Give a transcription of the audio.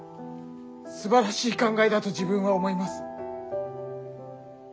すばらしい考えだと自分は思います。